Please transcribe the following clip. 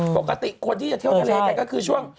ปกติคนที่จะเที่ยวทะเลกันก็คือช่วง